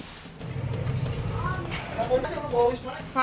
apa yang kamu lakukan